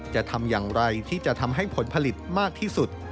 จะทำอย่างไรที่จะทำให้ผลผลิตมากที่สุด